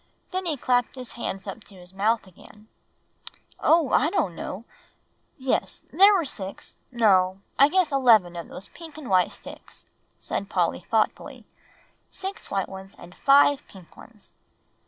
Then he clapped his hands up to his mouth again. "Oh! I don't know yes, there were six no, I guess eleven of those pink and white sticks," said Polly thoughtfully; "six white ones and five pink ones."